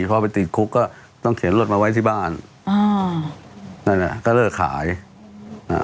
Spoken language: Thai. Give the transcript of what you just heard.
พอไปติดคุกก็ต้องเข็นรถมาไว้ที่บ้านอ่านั่นแหละก็เลิกขายอ่า